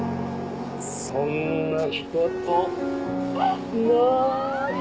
そんなことないよ！